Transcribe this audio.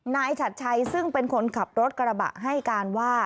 ฉัดชัยซึ่งเป็นคนขับรถกระบะให้การว่า